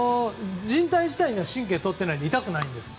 じん帯自体は神経取っていないので痛くないんですよ。